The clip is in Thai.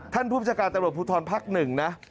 ท่านภูมิศกาตรบปุทธรพักหนึ่งนะ